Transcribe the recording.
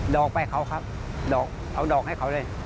อกไปเขาครับดอกเอาดอกให้เขาเลย